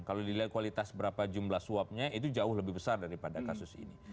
kalau dilihat kualitas berapa jumlah suapnya itu jauh lebih besar daripada kasus ini